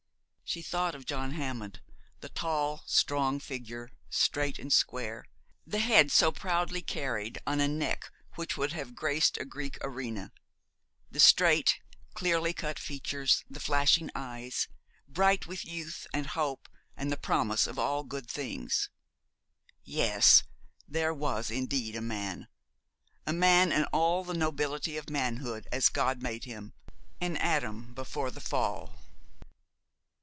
She thought of John Hammond, the tall, strong figure, straight and square; the head so proudly carried on a neck which would have graced a Greek arena. The straight, clearly cut features, the flashing eyes, bright with youth and hope and the promise of all good things. Yes, there was indeed a man a man in all the nobility of manhood, as God made him, an Adam before the Fall.